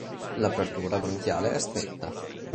L'apertura branchiale è stretta.